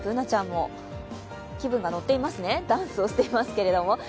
Ｂｏｏｎａちゃんも気分が乗っていますね、ダンスをしていますけれども。